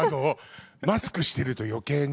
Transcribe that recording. マスクしてると余計ね。